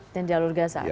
dan jalur gaza